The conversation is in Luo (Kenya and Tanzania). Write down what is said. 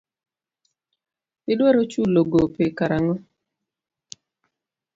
Idwaro chulo gope kar ang'o.